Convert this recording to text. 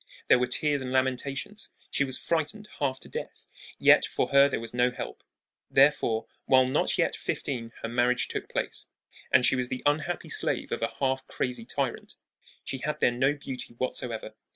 There were tears and lamentations. She was frightened half to death; yet for her there was no help. Therefore, while not yet fifteen her marriage took place, and she was the unhappy slave of a half crazy tyrant. She had then no beauty whatsoever.